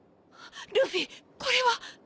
ルフィこれは！